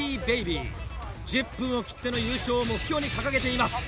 １０分を切っての優勝を目標に掲げています。